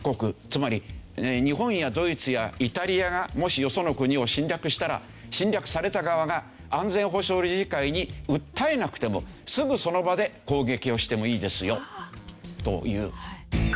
つまり日本やドイツやイタリアがもしよその国を侵略したら侵略された側が安全保障理事会に訴えなくてもすぐその場で攻撃をしてもいいですよという。